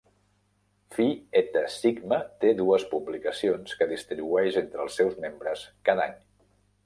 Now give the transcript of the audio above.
Phi Eta Sigma té dues publicacions que distribueix entre els seus membres cada any.